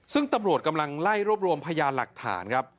ซึ่งตำรวจกำลังไล่รวบรวมพยานหลักฐานครับ